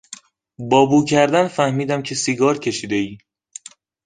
با بو کردن فهمیدم که سیگار کشیدهای.